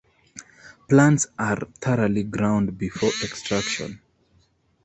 Plants are thoroughly ground before extraction.